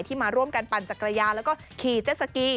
มาร่วมกันปั่นจักรยานแล้วก็ขี่เจสสกี